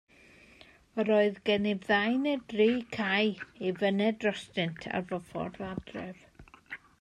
Yr oedd gennyf ddu neu dri cae i fyned drostynt ar fy ffordd adref.